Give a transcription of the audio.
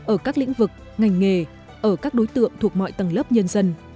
ở các lĩnh vực ngành nghề ở các đối tượng thuộc mọi tầng lớp nhân dân